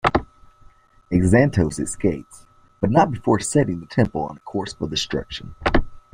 Xanatos escapes, but not before setting the Temple on a course for destruction.